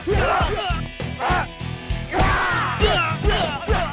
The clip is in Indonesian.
jangan kalahkan hati hati dan ministeri